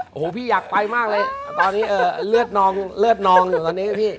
โอ้โหพี่อยากไปมากเลยตอนนี้เลือดนองอยู่ตอนนี้ครับพี่